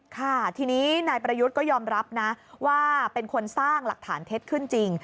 ค่ะทีนี้นายประยุทธ์ก็ยอมรับนะว่าเป็นคนสร้างหลักฐานเท็จขึ้นจริง